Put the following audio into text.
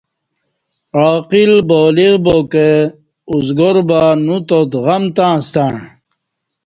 عاقل بالغ باکہ ازگار با نوتات غم تاسݩع